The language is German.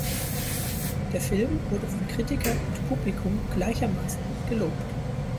Der Film wurde von Kritikern und Publikum gleichermaßen gelobt.